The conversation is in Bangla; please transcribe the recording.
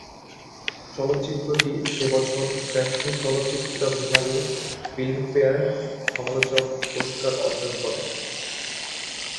চলচ্চিত্রটি সে বছর শ্রেষ্ঠ চলচ্চিত্র বিভাগে ফিল্মফেয়ার সমালোচক পুরস্কার অর্জন করে।